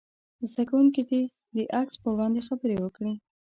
زده کوونکي دې د عکس په وړاندې خبرې وکړي.